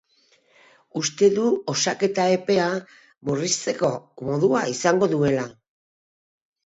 Uste du osaketa epea murrizteko modua izango duela.